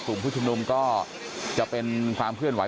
กลุ่มผู้ชุมนุมก็จะเป็นความเคลื่อนไห